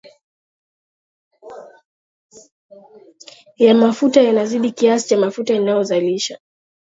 ya mafuta yanazidi kiasi cha mafuta inayozalisha